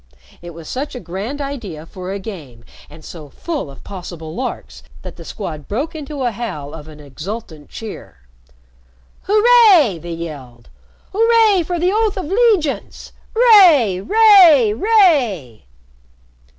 It was such a grand idea for a game, and so full of possible larks, that the Squad broke into a howl of an exultant cheer. "Hooray!" they yelled. "Hooray for the oath of 'legiance! 'Ray! 'ray! 'ray!"